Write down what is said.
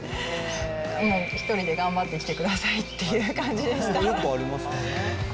もう、一人で頑張ってきてくださいって感じでした。